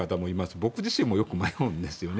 僕自身もよく迷うんですよね。